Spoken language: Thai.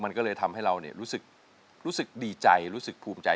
มันก็เลยทำให้เรารู้สึกดีใจรู้สึกภูมิใจ